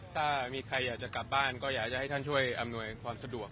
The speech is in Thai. ถ้ามีใครติดมากะบ้าท่านอยากให้ท่านช่วยอำน่วยความสะดวก